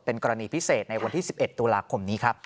กรณีพิเศษในวันที่๑๑ตุลาคมนี้ครับ